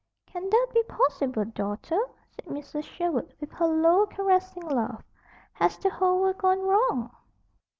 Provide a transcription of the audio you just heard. "Can that be possible, Daughter!" said Mrs. Sherwood, with her low, caressing laugh. "Has the whole world gone wrong?"